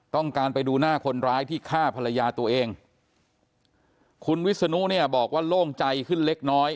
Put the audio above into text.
ไปดูหน้าคนร้ายที่ฆ่าภรรยาตัวเองคุณวิศนุเนี่ยบอกว่าโล่งใจขึ้นเล็กน้อย